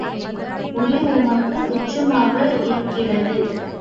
உயிர் உமக்குத் துச்சமாக இருக்கிறது.